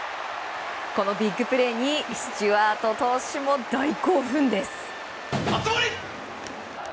このビッグプレーにスチュワート投手も大興奮です。